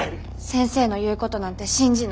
先生の言うことなんて信じない。